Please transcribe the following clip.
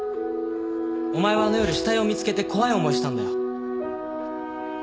お前はあの夜死体を見つけて怖い思いしたんだよ。